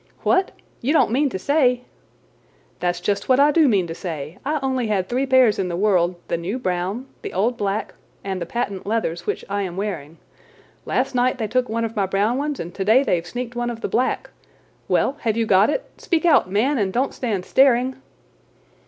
"What! you don't mean to say—?" "That's just what I do mean to say. I only had three pairs in the world—the new brown, the old black, and the patent leathers, which I am wearing. Last night they took one of my brown ones, and today they have sneaked one of the black. Well, have you got it? Speak out, man, and don't stand staring!"